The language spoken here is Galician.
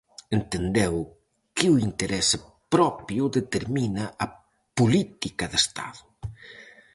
Entendeu que o interese propio determina a política de estado.